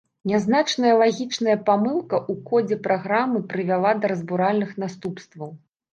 Нязначная лагічная памылка ў кодзе праграмы прывяла да разбуральных наступстваў.